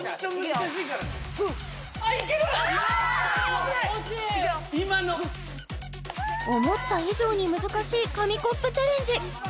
・惜しいいくよ思った以上に難しい紙コップチャレンジ